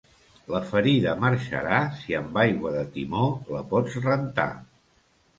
La ferida marxarà si amb aigua de timó la pots rentar.